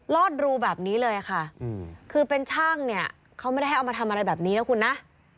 อดรูแบบนี้เลยค่ะคือเป็นช่างเนี่ยเขาไม่ได้ให้เอามาทำอะไรแบบนี้นะคุณนะ